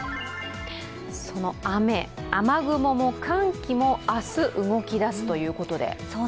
その雨、雨雲も寒気も明日動きだすということで。